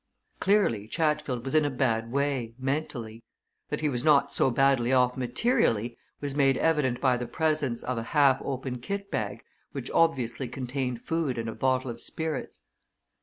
Clearly, Chatfield was in a bad way, mentally. That he was not so badly off materially was made evident by the presence of a half open kit bag which obviously contained food and a bottle of spirits.